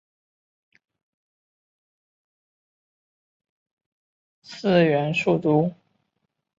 四元数都只是有限维的实数结合除法代数。